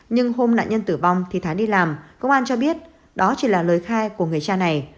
nhưng hôm nạn nhân tử vong thì thái đi làm công an cho biết đó chỉ là lời khai của người cha này